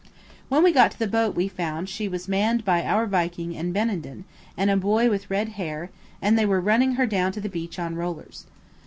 When we got to the boat we found she was manned by our Viking and Benenden, and a boy with red hair, and they were running her down to the beach on rollers.